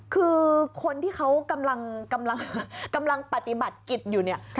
คือคนที่เขากำลังปฏิบัติกิจอยู่เนี่ย